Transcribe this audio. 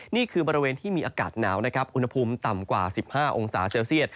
นี่คือบริเวณที่มีอากาศหนาวนะครับอุณหภูมิต่ำกว่า๑๕องศาเซลเซียต